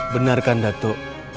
benar kan datuk